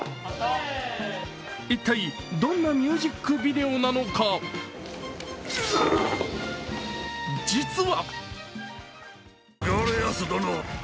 一体どんなミュージックビデオなのか実は！